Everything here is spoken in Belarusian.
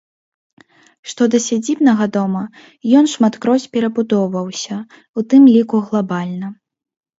Што да сядзібнага дома, ён шматкроць перабудоўваўся, у тым ліку глабальна.